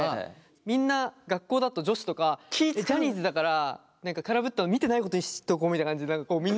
みんな学校だと女子とかジャニーズだから何か空振っても見てないことにしとこみたいな感じでみんな。